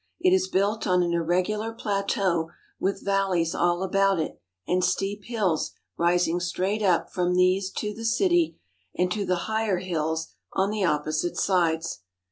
It is built on an irregular plateau with valleys all about it and steep hills rising straight up from these to the city and to the higher hills on the opposite sides.